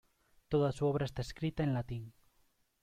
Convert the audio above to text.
Toda su obra está escrita en latín.